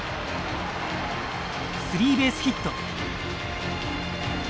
スリーベースヒット。